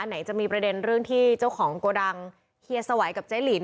ไหนจะมีประเด็นเรื่องที่เจ้าของโกดังเฮียสวัยกับเจ๊หลิน